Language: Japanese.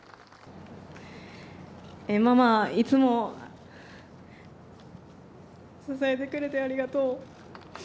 ママ、いつも支えてくれてありがとう。